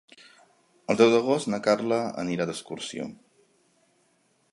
El deu d'agost na Carla anirà d'excursió.